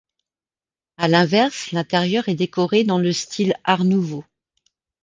À l'inverse, l'intérieur est décoré dans le style Art nouveau.